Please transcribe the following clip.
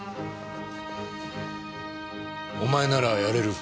お前ならやれる。